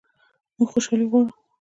موږ خوشحالي غواړو